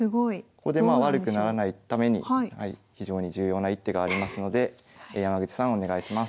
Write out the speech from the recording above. ここでまあ悪くならないために非常に重要な一手がありますので山口さんお願いします。